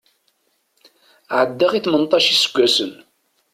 Ɛeddaɣ i tmenṭac isaggasen.